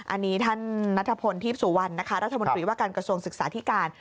อันนี้ท่านนัทพลทีพสุวรรณนะคะรัฐมนตรีว่าการกระทรวงศึกษาธิการ